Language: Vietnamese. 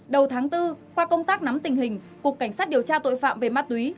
đầu tháng bốn qua công tác nắm tình hình cục cảnh sát điều tra tội phạm về ma túy